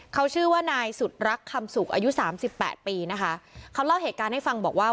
เขาชื่อว่านายสุดรักคำสุกอายุสามสิบแปดปีนะคะเขาเล่าเหตุการณ์ให้ฟังบอกว่า